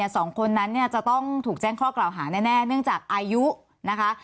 สองคนนั้นเนี่ยจะต้องถูกแจ้งข้อกล่าวหาแน่เนื่องจากอายุนะคะ